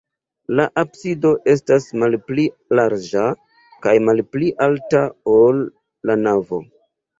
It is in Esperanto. La absido estas malpli larĝa kaj malpli alta, ol la navo.